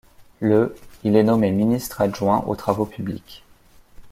Le il est nommé ministre adjoint aux travaux publics.